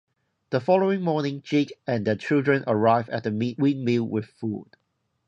The following morning, Jake and their children arrive at the windmill with food.